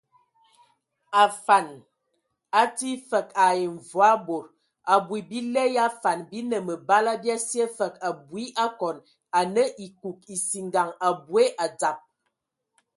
Afan atii fəg ai mvɔi bod, abui, bile ya afan bi nə məbala bia sye fəg abui akɔn anə ekug, esingan aboe adzab.